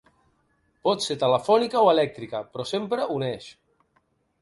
Pot ser telefònica o elèctrica, però sempre uneix.